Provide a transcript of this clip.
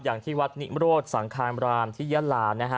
อย่างที่วัดนิมโรธสังคามรามที่ยะลานะฮะ